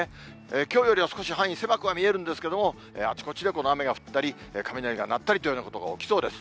きょうよりは少し範囲、狭くは見えるんですけれども、あちこちでこの雨が降ったり、雷が鳴ったりというようなことが起きそうです。